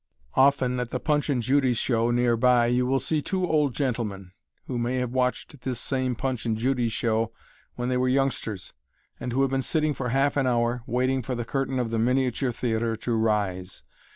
Often at the Punch and Judy show near by, you will see two old gentlemen, who may have watched this same Punch and Judy show when they were youngsters, and who have been sitting for half an hour, waiting for the curtain of the miniature theater to rise.